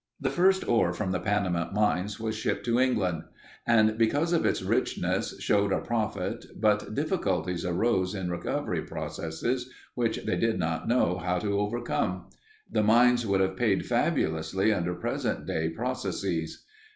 The first ore from the Panamint mines was shipped to England and because of its richness showed a profit, but difficulties arose in recovery processes which they did not know how to overcome. The mines would have paid fabulously under present day processes.